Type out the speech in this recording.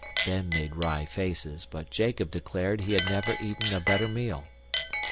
Ben made wry faces, but Jacob declared he had never eaten a better meal.